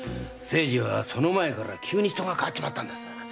清次はその前から急に人が変わっちまったんです。